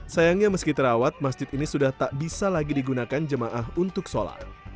sayangnya meski terawat masjid ini sudah tak bisa lagi digunakan jemaah untuk sholat